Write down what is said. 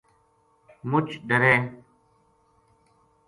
مُچ ڈرے